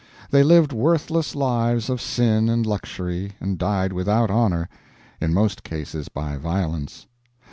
They lived worthless lives of sin and luxury, and died without honor in most cases by violence.